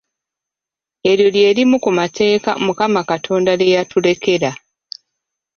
Eryo lye limu ku mateeka Mukama Katonda lye yatulekera.